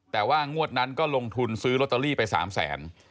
แต่ว่างวดนั้นก็ลงทุนซื้อลอตเตอรี่ไป๓แสน